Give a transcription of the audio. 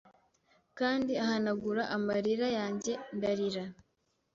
Kandi ahanagura amarira yanjyeNdarira